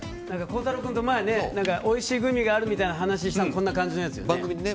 孝太郎君と前おいしいグミがあるって話したらこんな感じのやつよね。